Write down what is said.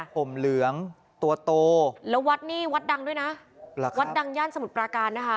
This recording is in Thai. ห่มเหลืองตัวโตแล้ววัดนี้วัดดังด้วยนะวัดดังย่านสมุทรปราการนะคะ